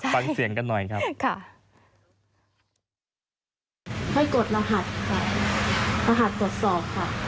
ฟังเสียงกันหน่อยครับ